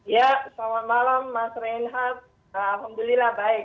ya selamat malam mas reinhardt alhamdulillah baik